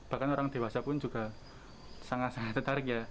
bahkan orang dewasa pun juga sangat sangat tertarik ya